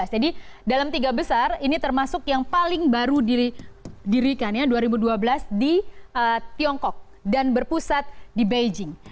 jadi dalam tiga besar ini termasuk yang paling baru didirikan dua ribu dua belas di tiongkok dan berpusat di beijing